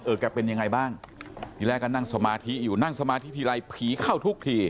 แกเป็นยังไงบ้างที่แรกก็นั่งสมาธิอยู่นั่งสมาธิทีไรผีเข้าทุกที